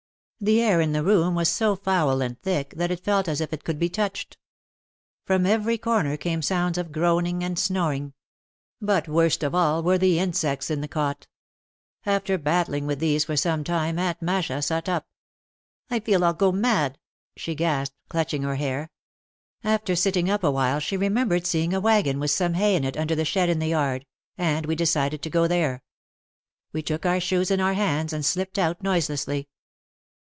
The air in the room was so foul and thick that it felt as if it could be touched. From every corner came sounds of groaning and snoring. But worst of all were the in sects in the cot. After battling with these for some time Aunt Masha sat up. "I feel I'll go mad," she gasped, clutching her hair. After sitting up a while she remembered seeing a wagon with some hay in it under the shed in the yard, and we decided to go there. We took our shoes in our hands and slipped out noiselessly.